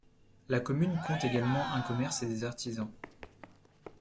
La commune compte également un commerce et des artisans.